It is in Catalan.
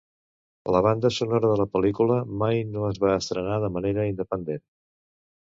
La banda sonora de la pel·lícula mai no es va estrenar de manera independent.